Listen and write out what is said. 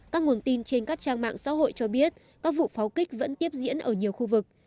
các nguồn tin trên các trang mạng xã hội cho biết các vụ pháo kích vẫn tiếp diễn ở nhiều khu vực